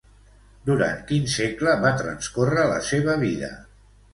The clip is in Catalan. Durant quin segle va transcórrer la seva vida?